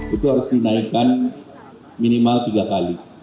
itu harus dinaikkan minimal tiga kali